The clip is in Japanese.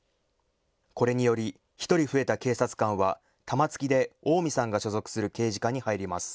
これにより１人増えた警察官は玉突きで、近江さんが所属する刑事課に入ります。